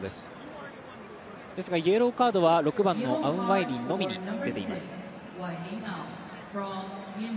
ですがイエローカードは６番のアウンワイリンにのみ出ています。